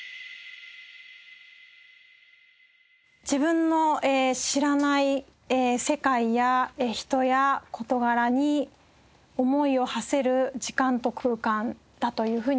自分の知らない世界や人や事柄に思いをはせる時間と空間だというふうに思います。